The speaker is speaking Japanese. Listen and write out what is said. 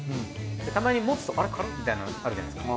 たまに持つとあれ軽っ！みたいなのあるじゃないですか。